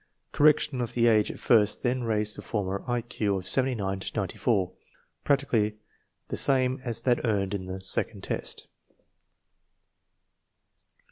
Correction of the age at first test raised the former I Q of 79 to 94, practically the same as that earned in the second test.